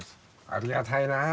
ありがたいなあ。